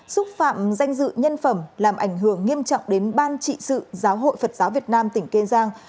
xúc phạm danh dự nhân phẩm làm ảnh hưởng nghiêm trọng đến ban trị sự giáo hội phật giáo việt nam tỉnh kiên giang